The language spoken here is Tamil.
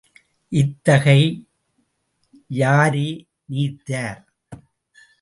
இத்தகை யாரே நீத்தார்!